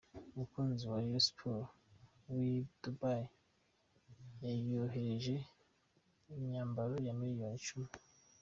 Umukunzi wa Reyo Siporo w’i Dubai yayoherereje imyambaro ya miliyoni icumi